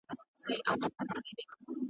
اوري له خیبره تر کنړه شپېلۍ څه وايي .